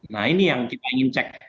nah ini yang kita ingin cek